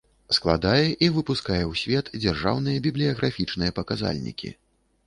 Складае i выпускае ў свет дзяржаўныя бiблiяграфiчныя паказальнiкi.